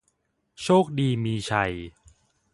โชคดีมีชัย